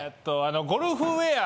ゴルフウェア。